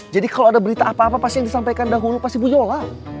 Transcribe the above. jadi kalau ada berita apa apa pasti yang disampaikan dahulu pasti bu yola